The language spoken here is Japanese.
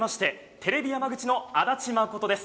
テレビ山口の安達誠です。